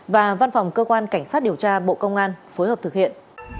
và văn phòng cơ quan cảnh sát điều tra bộ công an phối hợp thực hiện